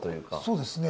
そうですね。